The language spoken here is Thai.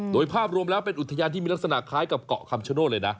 โดยภาพรวมแล้วเป็นอุทยานที่มีลักษณะคล้ายกับเกาะคำชโนธเลยนะ